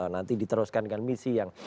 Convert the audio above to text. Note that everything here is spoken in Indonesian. nanti diteruskan dengan misi yang